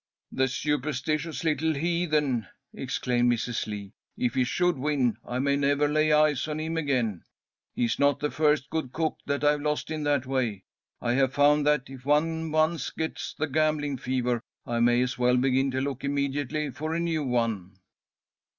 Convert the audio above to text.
"The superstitious little heathen!" exclaimed Mrs. Lee. "If he should win, I may never lay eyes on him again. He's not the first good cook that I've lost in that way. I have found that, if one once gets the gambling fever, I may as well begin to look immediately for a new one."